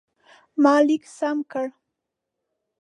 ما لیک سم کړ.